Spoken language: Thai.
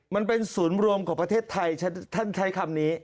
มันเป็นศูนย์รวมของประเทศไทยท่านใช้คำนี้